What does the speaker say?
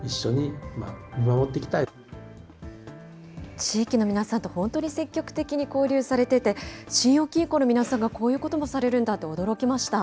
地域の皆さんと本当に積極的に交流されてて、信用金庫の皆さんがこういうこともされるんだと驚きました。